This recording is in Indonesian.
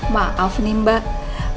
mbak tidak dalam keadaan lagi hamil